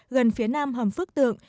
gần phía nam hầm phước tượng